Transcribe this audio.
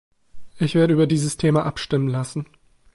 Ich werde über dieses Thema abstimmen lassen.